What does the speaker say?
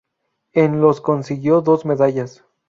En los consiguió dos medallas.